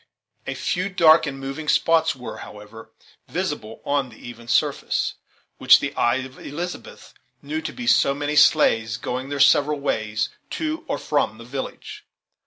A few dark and moving spots were, however, visible on the even surface, which the eye of Elizabeth knew to be so many sleighs going their several ways to or from the village.